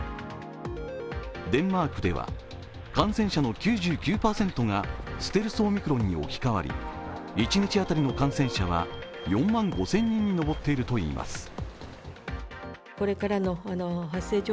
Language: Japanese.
デンマークでは感染者の９９％がステルスオミクロンに置き換わり一日当たりの感染者は４万５０００人に上っているといいます